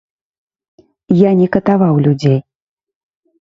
Я не катаваў людзей.